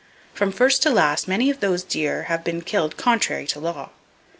From first to last, many of those deer have been killed contrary to law.